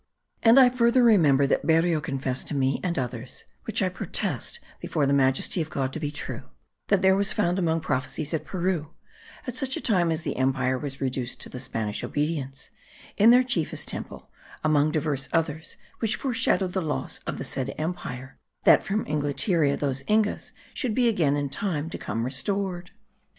And I further remember that Berreo confessed to me and others (which I protest before the majesty of God to be true), that there was found among prophecies at Peru (at such a time as the empire was reduced to the Spanish obedience) in their chiefest temple, among divers others which foreshowed the losse of the said empyre, that from Inglatierra those Ingas should be again in time to come restored.